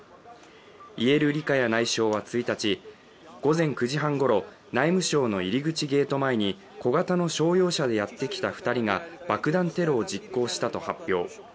イェルリカヤ内相は１日午前９時半ごろ、内務省の入り口ゲート前に小型の商用車でやってきた２人が爆弾テロを実行したと発表。